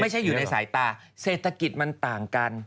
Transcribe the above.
อยู่ในสายตาเศรษฐกิจมันต่างกัน